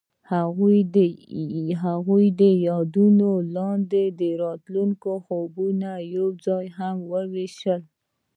هغوی د یادونه لاندې د راتلونکي خوبونه یوځای هم وویشل.